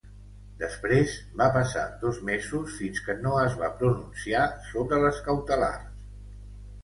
Després, va passar dos mesos fins que no es va pronunciar sobre les cautelars.